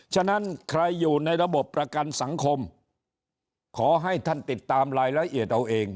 ฉะนั้นใครอยู่ในระบบประกันสังคมขอให้ท่านติดตามรายละเอียดเอาเอง